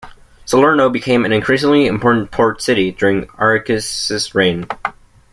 Salerno became an increasingly important port city during Arechis' reign.